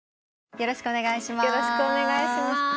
よろしくお願いします。